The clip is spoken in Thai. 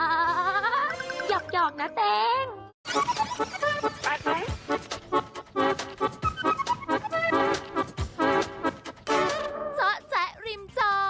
หยอบนะเต็ม